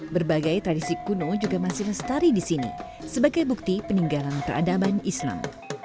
berbagai tradisi kuno juga masih lestari di sini sebagai bukti peninggalan peradaban islam